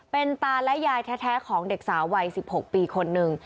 เป็นตาและยายแท้ของเด็กสาววัย๑๖ปีคนหนึ่ง